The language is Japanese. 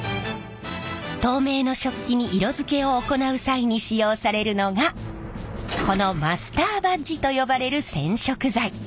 透明の食器に色づけを行う際に使用されるのがこのマスターバッチと呼ばれる染色剤。